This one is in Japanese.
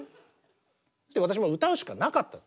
私も歌うしかなかった。